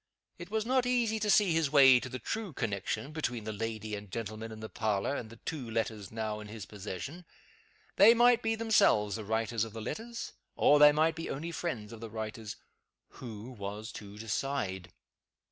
It was not easy to see his way to the true connection between the lady and gentleman in the parlor and the two letters now in his own possession. They might be themselves the writers of the letters, or they might be only friends of the writers. Who was to decide?